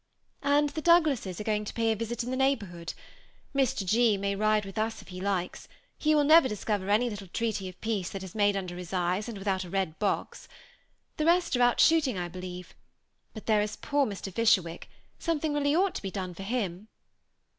" And the Douglases are going to pay a visit in the neighborhood. Mr. 6. may ride with us if he likes; he will never discover any little treaty of peace that is made under his eyes, and without a red box. The rest are out shooting, I believe. But there is poor Mr. Fish erwick : something really ought to be done for him."